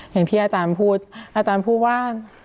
อย่างที่อาจารย์พูดอาจารย์พูดว่า